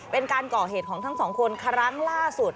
เป็นการก่อเหตุของทั้งสองคนครั้งล่าสุด